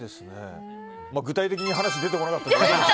具体的に話が出てこなかったですけど。